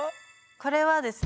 これはですね